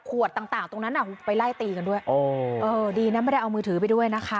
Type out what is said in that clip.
ต่างตรงนั้นไปไล่ตีกันด้วยดีนะไม่ได้เอามือถือไปด้วยนะคะ